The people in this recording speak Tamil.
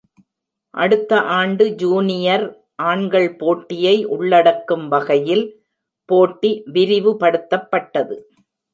அடுத்த ஆண்டு ஜூனியர் ஆண்கள் போட்டியை உள்ளடக்கும் வகையில் போட்டி விரிவுபடுத்தப்பட்டது.